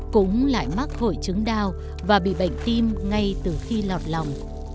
cũng lại mắc hội chứng đau và bị bệnh tim ngay từ khi lọt lòng